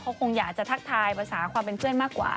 เขาคงอยากจะทักทายภาษาความเป็นเพื่อนมากกว่า